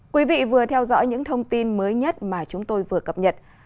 quý vị vừa theo dõi những thông tin mới nhất mà chúng tôi vừa cập nhật